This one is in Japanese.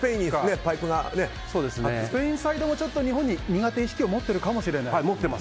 スペインサイドも日本に苦手意識を持っているかもしれないと。